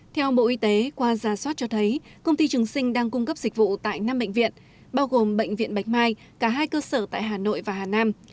theo bộ y tế qua gia soát cho thấy công ty trường sinh đang cung cấp dịch vụ tại năm bệnh viện bao gồm bệnh viện bạch mai cả hai cơ sở tại hà nội và hà nam